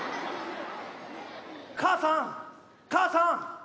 母さん母さん！